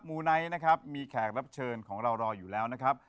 หมู่ไนท์มีแขกรับเชิญของเรารออยู่แล้วนะครับ